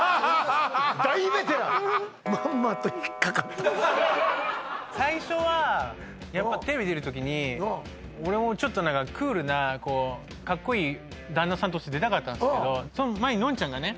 大ベテラン最初はやっぱテレビ出る時に俺もちょっとクールなかっこいい旦那さんとして出たかったんですけどその前にのんちゃんがね